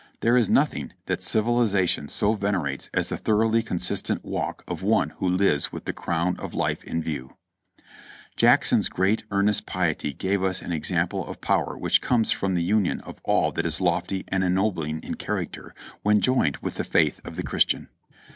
There is nothing that civilization so venerates as a thoroughly consistent walk of one who lives with the "crown of life in view." Jackson's great, earnest piety gave us an example of power which comes from the union of all that is lofty and ennobling in character when joined with the faith of the Christian.